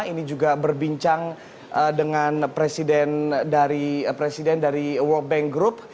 ini juga berbincang dengan presiden dari world bank group